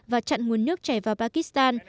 và chặn nguồn nước chảy vào pakistan